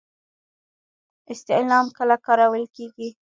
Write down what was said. استعلام کله کارول کیږي؟